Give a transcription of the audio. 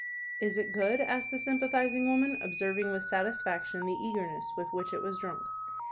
"Is it good?" asked the sympathizing woman, observing with satisfaction the eagerness with which it was drunk.